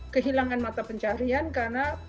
kehilangan mata pencarian karena